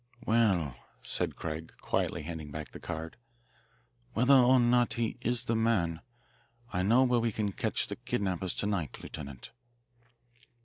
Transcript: "Well," said Craig, quietly handing back the card, "whether or not he is the man, I know where we can catch the kidnappers to night, Lieutenant."